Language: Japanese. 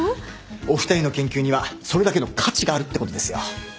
お二人の研究にはそれだけの価値があるってことですよ。